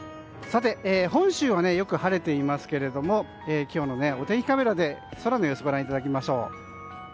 本州はよく晴れていますけれども今日のお天気カメラで空の様子ご覧いただきましょう。